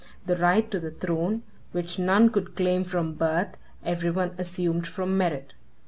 The right to the throne, which none could claim from birth, every one assumed from merit.